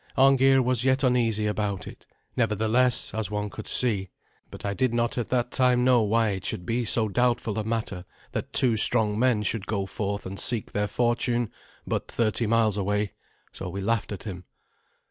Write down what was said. Arngeir was yet uneasy about it, nevertheless, as one could see; but I did not at that time know why it should be so doubtful a matter that two strong men should go forth and seek their fortune but thirty miles away. So we laughed at him.